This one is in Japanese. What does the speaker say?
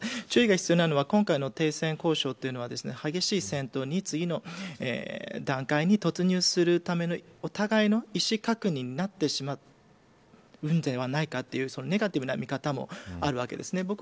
注意が必要なのは今回の停戦交渉というのは激しい戦闘に次の段階に突入するためのお互いの意思確認になってしまうではないかというネガティブな見方もあるわけですね。